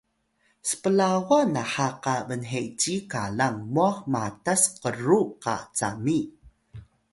splawa nha qa bnheci qalang mwah matas qru qa cami